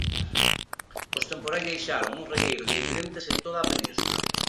Os temporais deixaron un regueiro de incidentes en toda a península.